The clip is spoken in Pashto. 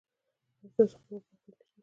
ایا ستاسو خوله به پاکه نه شي؟